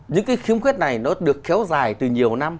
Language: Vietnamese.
những cái khiếm khuyết này nó được kéo dài từ nhiều năm